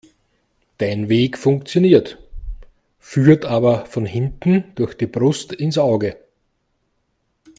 Dein Weg funktioniert, führt aber von hinten durch die Brust ins Auge.